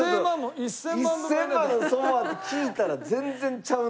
１０００万のソファって聞いたら全然ちゃうな。